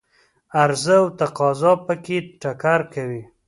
عرضه او تقاضا په کې ټکر کوي.